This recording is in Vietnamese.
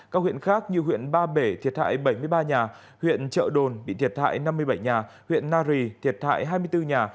các huyện khác như huyện ba bể thiệt hại bảy mươi ba nhà huyện trợ đồn bị thiệt hại năm mươi bảy nhà huyện nari thiệt hại hai mươi bốn nhà